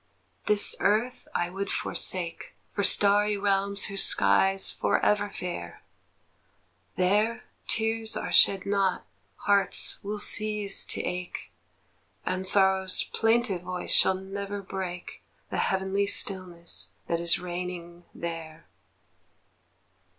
This earth I would forsake For starry realms whose sky's forever fair; There, tears are shed not, hearts will cease to ache, And sorrow's plaintive voice shall never break The heavenly stillness that is reigning there.